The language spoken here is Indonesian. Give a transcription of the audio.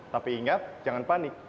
tapi ingat jangan panik